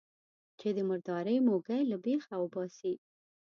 چې د مردارۍ موږی له بېخه وباسي.